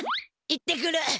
行ってくる！